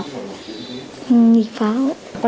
con làm pháo như thế nào